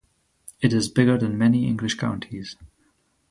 It is bigger than many English counties.